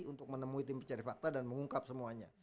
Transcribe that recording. untuk menemui tim pencari fakta dan mengungkap semuanya